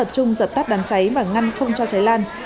chung giật tắt đám cháy và ngăn không cho cháy lan